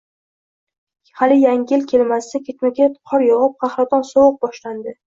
Hali yangi yil kelmasidan ketma-ket qor yog‘ib qahraton sovuq boshlandi.